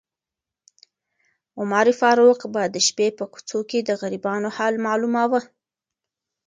عمر فاروق به د شپې په کوڅو کې د غریبانو حال معلوماوه.